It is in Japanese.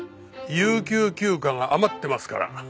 有給休暇が余ってますから。